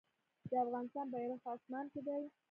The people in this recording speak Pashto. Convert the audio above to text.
د افغانستان بیرغ په اسمان کې دی